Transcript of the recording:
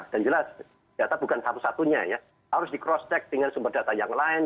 dan jelas data bukan satu satunya ya harus di cross check dengan sumber data yang lain